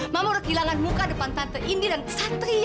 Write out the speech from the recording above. mama udah kehilangan muka depan tante ini dan santri